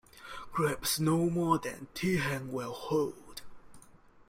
Grasp no more than thy hand will hold.